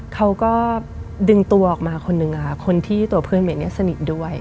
เขาก็ดึงตัวออกมาคนนึงค่ะคนที่ตัวเพื่อนเมย์เนี่ยสนิทด้วย